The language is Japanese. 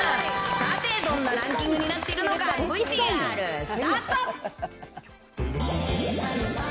さて、どんなランキングになっているのか、ＶＴＲスタート。